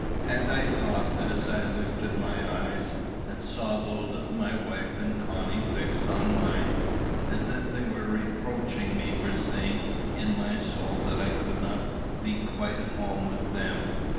As I thought this I lifted my eyes, and saw those of my wife and Connie fixed on mine, as if they were reproaching me for saying in my soul that I could not be quite at home with them.